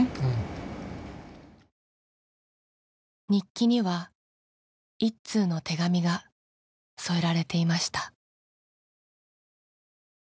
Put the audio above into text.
日記には１通の手紙が添えられていました。